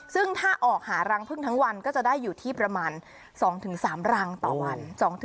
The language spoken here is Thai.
ซึ่งถ้าออกหารังพึ่งทั้งวันก็จะได้อยู่ที่ประมาณ๒๓รังต่อวัน